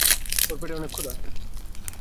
ওর পেটে অনেক ক্ষুধা।